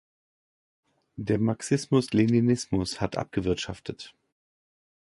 Der Marxismus-Leninismus hat abgewirtschaftet.